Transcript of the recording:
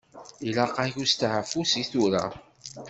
Ilaq-ak usteɛfu seg tura.